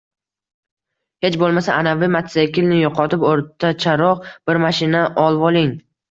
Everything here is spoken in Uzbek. Hech bo‘lmasa, anavi matasekilni yo‘qotib, o‘rtacharoq bir mashina olvoling